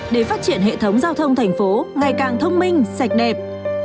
để phát triển hệ thống giao thông thành phố ngày càng thông minh sạch đẹp